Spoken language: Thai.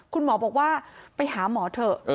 คุณหมอบอกว่าไปหาหมอเถอะ